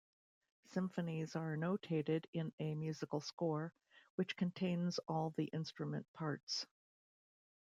Symphonies are notated in a musical score, which contains all the instrument parts.